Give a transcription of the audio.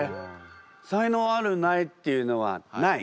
才能あるないっていうのはない？